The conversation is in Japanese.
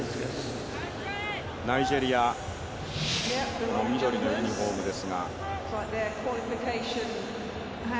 ナイジェリア、緑のユニフォームです。